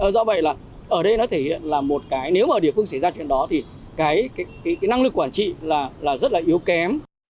do vậy là ở đây nó thể hiện là một cái nếu mà địa phương xảy ra chuyện đó thì cái năng lực quản trị là rất là yếu kém